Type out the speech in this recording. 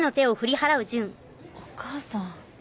お母さん。